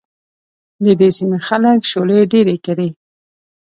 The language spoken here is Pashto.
د دې سيمې خلک شولې ډېرې کري.